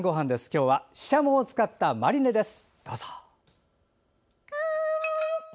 今日はししゃもを使ったマリネです。